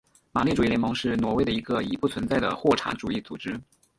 马列主义联盟是挪威的一个已不存在的霍查主义组织。